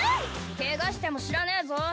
ケガしても知らねえぞ